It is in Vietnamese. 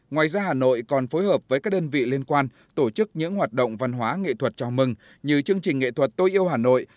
ngoài ra hà nội còn phối hợp với các đơn vị liên quan tổ chức những hoạt động văn hóa nghệ thuật chào mừng như chương trình nghệ thuật tôi yêu hà nội